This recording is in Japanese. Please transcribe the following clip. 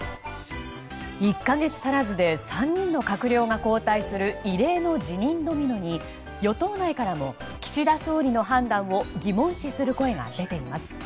１か月足らずで３人の閣僚が交代する異例の辞任ドミノに与党内からも岸田総理の判断を疑問視する声が出ています。